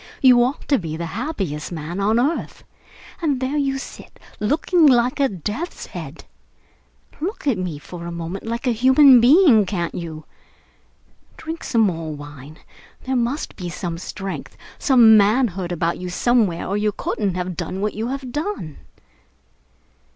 You ought to be the happiest man on earth. And there you sit, looking like a death's head! Look at me for a moment like a human being, can't you? Drink some more wine. There must be some strength, some manhood about you somewhere, or you couldn't have done what you have done."